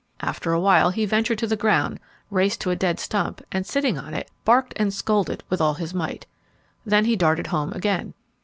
After a while he ventured to the ground, raced to a dead stump, and sitting on it, barked and scolded with all his might. Then he darted home again.